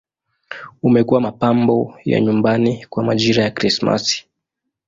Umekuwa mapambo ya nyumbani kwa majira ya Krismasi.